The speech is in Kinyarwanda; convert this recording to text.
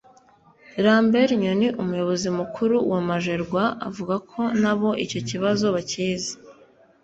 Lambert Nyoni umuyobozi mukuru wa Magerwa avuga ko na bo icyo kibazo bakizi